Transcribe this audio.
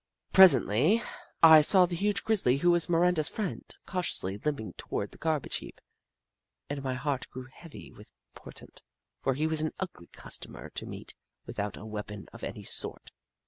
Presently 1 saw the huge grizzly who was Snoof 7' Miranda's friend, cautiously limping toward the garbage heap, and my heart grew heavy with portent, for he was an ugly customer to meet without a weapon of any sort.